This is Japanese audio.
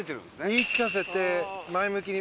言い聞かせて前向きに。